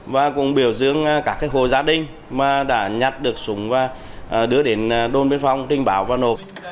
và cũng biểu dưỡng cả các hồ gia đình mà đã nhặt được súng và đưa đến đôn biên phòng trinh bảo và nộp